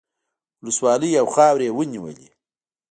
ولسوالۍ او خاورې یې ونیولې.